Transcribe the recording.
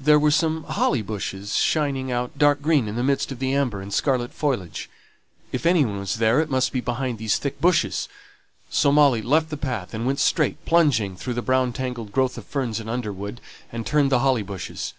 There were some thick holly bushes shining out dark green in the midst of the amber and scarlet foliage. If any one was there, it must be behind these thick bushes. So Molly left the path, and went straight, plunging through the brown tangled growth of ferns and underwood, and turned the holly bushes.